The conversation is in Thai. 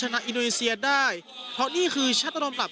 นี้เปล่าต้องให้คุณนะอาลากรับได้